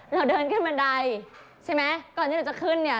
เราเดินขึ้นบันไดใช่ไหมก่อนที่เราจะขึ้นเนี่ย